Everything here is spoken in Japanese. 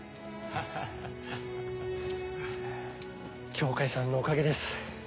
羌さんのおかげです。